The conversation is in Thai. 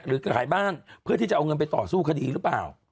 หรือขายบ้านเพื่อที่จะเอาเงินไปต่อสู้คดีหรือเปล่า